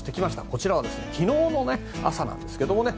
こちらは昨日の朝なんですけどね